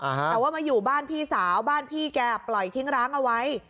แต่ว่ามาอยู่บ้านพี่สาวบ้านพี่แกปล่อยทิ้งร้างเอาไว้